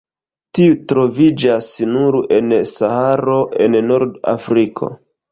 Tiu troviĝas nur en Saharo en Nord-Afriko.